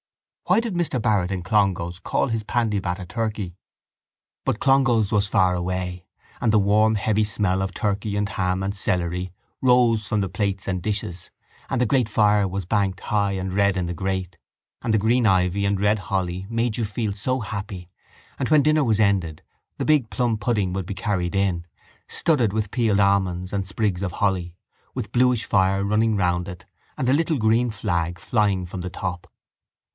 Why did Mr Barrett in Clongowes call his pandybat a turkey? But Clongowes was far away: and the warm heavy smell of turkey and ham and celery rose from the plates and dishes and the great fire was banked high and red in the grate and the green ivy and red holly made you feel so happy and when dinner was ended the big plum pudding would be carried in, studded with peeled almonds and sprigs of holly, with bluish fire running around it and a little green flag flying from the top.